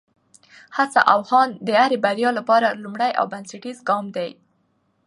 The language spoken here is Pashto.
هڅه او هاند د هرې بریا لپاره لومړنی او بنسټیز ګام دی.